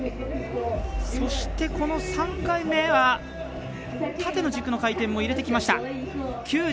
そして、この３回目は縦の軸の回転も入れてきました。